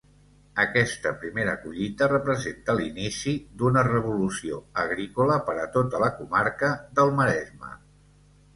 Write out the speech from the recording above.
Aquesta primera collita representà l'inici d'una revolució agrícola per a tota la comarca del Maresme.